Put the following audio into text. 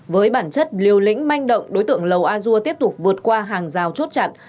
với bản chất liều lĩnh manh động đối tượng lầu a dua tiếp tục vượt qua hàng rào chốt chặn